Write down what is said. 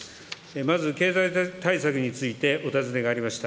まず、経済対策についてお尋ねがありました。